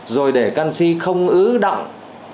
rồi để canxi không ứ động